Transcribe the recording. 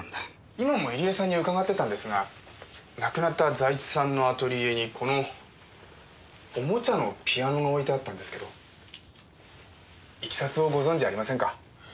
今も入江さんに伺ってたんですが亡くなった財津さんのアトリエにこのおもちゃのピアノが置いてあったんですけどいきさつをご存じありませんか？